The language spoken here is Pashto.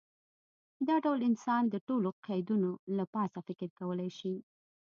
دا ډول انسان د ټولو قیدونو له پاسه فکر کولی شي.